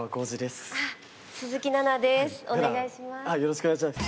よろしくお願いします。